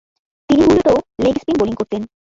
তিনি মূলতঃ leg spin bowling করতেন।